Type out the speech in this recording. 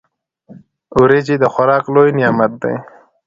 وريجي د خوراک لوی نعمت دی.